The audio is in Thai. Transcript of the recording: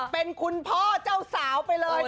เป็นคุณพ่อเจ้าสาว